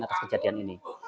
atas kejadian ini